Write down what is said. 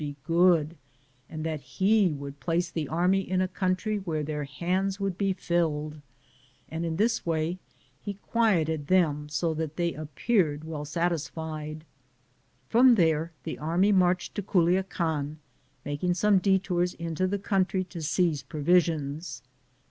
be good, and that he would place the army in a country where their hands would be filled, and in this way he quieted them so that they appeared well satisfied. From there the army marched to Guliacan, mak ing some detours into the country to seize provisions.